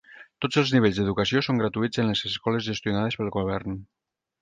Tots els nivells d'educació són gratuïts en les escoles gestionades pel govern.